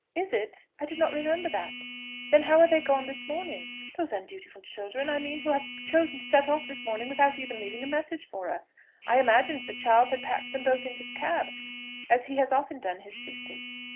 "Is it? I did not remember that. Then how are they gone this morning? those undutiful children, I mean, who have chosen to set off this morning without even leaving a message for us. I imagined that Charles had packed them both into the cab, as he has often done his sisters."